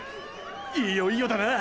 いよいよだな！